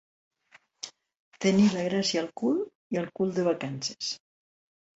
Tenir la gràcia al cul i el cul de vacances.